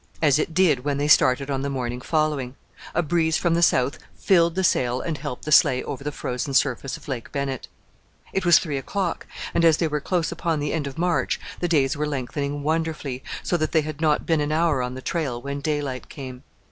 As it did when they started on the morning following. A breeze from the south filled the sail and helped the sleigh over the frozen surface of Lake Bennett. It was three o'clock, and as they were close upon the end of March the days were lengthening wonderfully, so that they had not been an hour on the trail when daylight came.